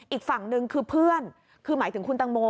อีกฝั่งหนึ่งคือเพื่อนคือหมายถึงคุณตังโม